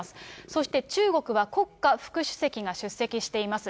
そして中国は国家副主席が出席しています。